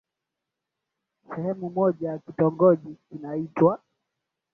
sehemu moja ya kitogoji kinaitwa